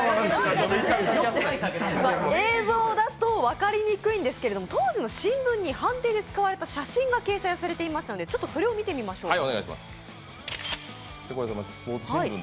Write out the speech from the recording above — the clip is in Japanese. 映像だと分かりにくいんですけれども、当時の新聞に判定で使われた写真が掲載されてましたのでちょっとそれを見てみましょう。